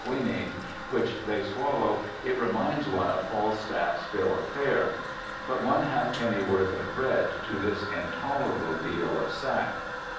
quinine which they swal low, it reminds one of Falstaff's bill of fare :* But one half penny worth of bread to this intolerable deal of sack.'